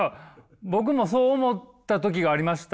僕もそう思った時がありました。